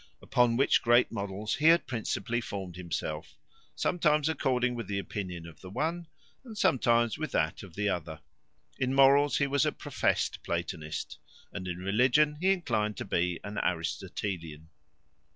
Upon which great models he had principally formed himself; sometimes according with the opinion of the one, and sometimes with that of the other. In morals he was a profest Platonist, and in religion he inclined to be an Aristotelian.